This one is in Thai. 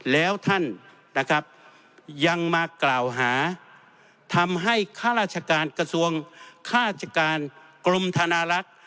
แล้วท่านนะครับยังมากล่าวหาทำให้ข้าราชการกระทรวงข้าราชการกรมธนารักษ์